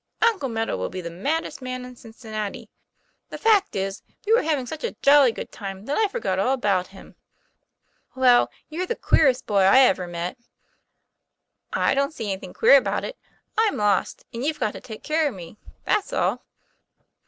Uncle Meadow will be the maddest man in Cincin nati. The fact is, we were having such a jolly good time that I forgot all about him." 'Well, you're the queerest boy I ever met." 'I don't see anything queer about it. I'm lost, And you've got to take care of me. That's all."